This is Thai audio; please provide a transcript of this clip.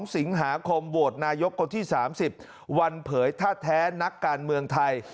๒สิงหาคมโหวตนายกคนที่๓๐วันเผยท่าแท้นักการเมืองไทย